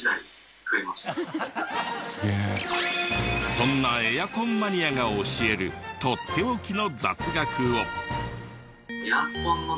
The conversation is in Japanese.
そんなエアコンマニアが教えるとっておきの雑学を。